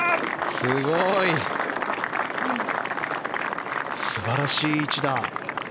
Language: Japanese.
すごい。素晴らしい一打。